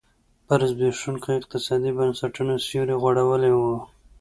پر زبېښونکو اقتصادي بنسټونو سیوری غوړولی و.